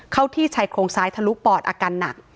เข้าที่ชายโครงซ้ายทะลุปอดอาการหนัก